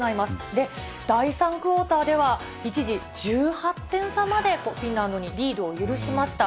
で、第３クオーターでは、一時、１８点差までフィンランドにリードを許しました。